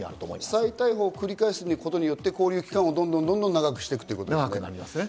再逮捕を繰り返すことによって勾留期間をどんどん長くしていくということですね。